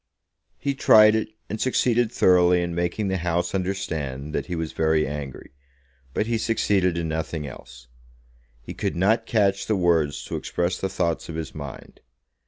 He tried it, and succeeded thoroughly in making the House understand that he was very angry, but he succeeded in nothing else. He could not catch the words to express the thoughts of his mind.